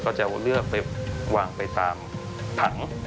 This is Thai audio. ก็จะเลือกวางไปตามผัง